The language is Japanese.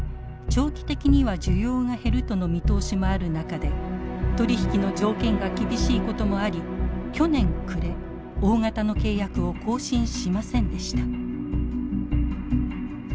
長期的には需要が減るとの見通しもある中で取り引きの条件が厳しいこともあり去年暮れ大型の契約を更新しませんでした。